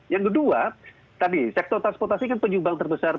yang kedua tadi sektor transportasi kan penyumbang terbesar